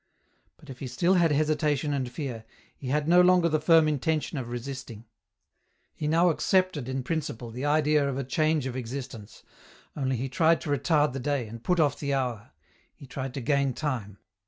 But if he still had hesitation and fear, he had no longer EN ROUTE. 85 the firm intention of resisting ; he now accepted in principle the idea of a change of existence, only he tried to retard the day, and put ofif the hour ; he tried to gain time.